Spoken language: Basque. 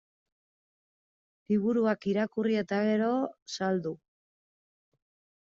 Liburuak irakurri eta gero, saldu.